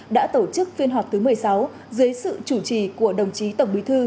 đã tổ chức phiên họp thứ một mươi sáu dưới sự chủ trì của đồng chí tổng bí thư